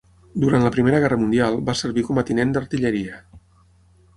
Durant la Primera Guerra Mundial va servir com a tinent d'artilleria.